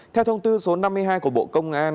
theo thông tư số năm mươi hai của bộ công an